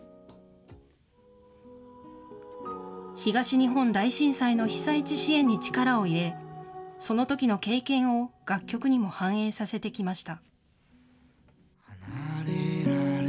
東日本大震災の被災地支援に力を入れ、そのときの経験を楽曲にも反映させてきました。